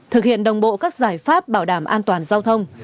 thực hiện đồng bộ các giải pháp bảo đảm an toàn giao thông